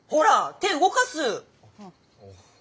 手動かす！